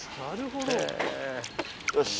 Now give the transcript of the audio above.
なるほど。